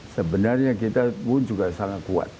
sebenarnya kita pun juga sangat kuat